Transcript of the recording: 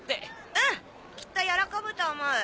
うんきっと喜ぶと思う。